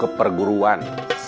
mau ke perguruan